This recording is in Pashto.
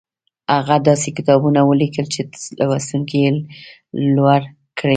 هغه داسې کتابونه وليکل چې لوستونکي يې لوړ کړل.